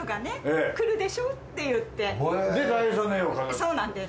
そうなんです。